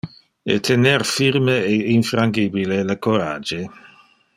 E tener firme e infrangibile le corage.